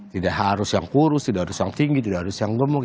tidak harus yang kurus tidak harus yang tinggi tidak harus yang gemuk